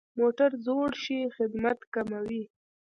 موټر زوړ شي، خدمت کموي.